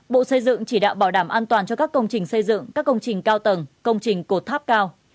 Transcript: bộ xây dựng chỉ đạo bảo đảm an toàn cho các công trình xây dựng các công trình cao tầng công trình cột tháp cao